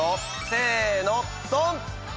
せーのドン！